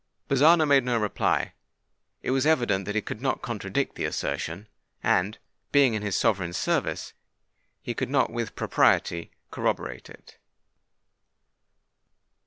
Bazzano made no reply: it was evident that he could not contradict the assertion; and, being in his sovereign's service, he could not with propriety corroborate it.